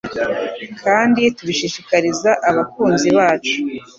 kandi tubishishikariza abakunzi bacu